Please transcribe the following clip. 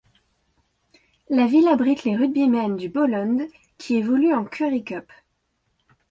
La ville abrite les rugbymen du Boland qui évoluent en Currie Cup.